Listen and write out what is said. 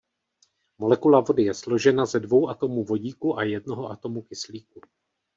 Molekula vody je složena ze dvou atomů vodíku a jednoho atomu kyslíku.